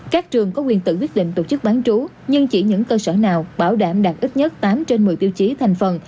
các trường có quyền tự quyết định tổ chức bán trú nhưng chỉ những cơ sở nào bảo đảm đạt ít nhất tám trên một mươi tiêu chí thành phần